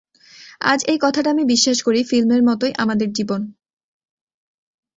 আজ এই কথাটা আমি বিশ্বাস করি, ফিল্মের মতই আমাদের জীবন।